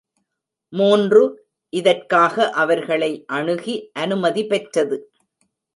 மூன்று, இதற்காக அவர்களை அணுகி அனுமதி பெற்றது.